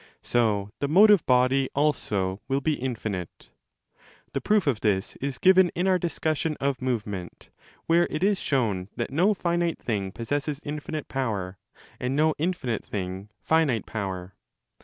So the motive body also will be infinite. (The proof of this is given in our dis cussion of movement,' where it is shown that no finite thing " possesses infinite power, and no infinite thing finite power.)